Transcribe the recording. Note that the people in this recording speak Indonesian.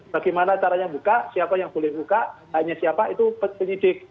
bagaimana caranya buka siapa yang boleh buka hanya siapa itu penyidik